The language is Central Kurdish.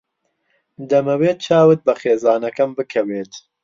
دەمەوێت چاوت بە خێزانەکەم بکەوێت.